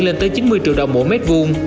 lên tới chín mươi triệu đồng mỗi mét vuông